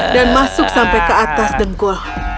dan masuk sampai ke atas dengkul